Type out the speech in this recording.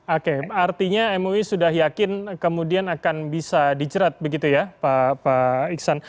oke artinya mui sudah yakin kemudian akan bisa dijerat begitu ya pak iksan